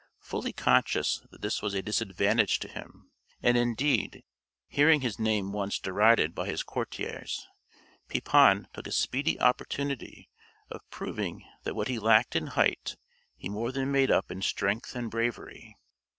Fully conscious that this was a disadvantage to him, and, indeed, hearing his name once derided by his courtiers, Pepin took a speedy opportunity of proving that what he lacked in height he more than made up in strength and bravery.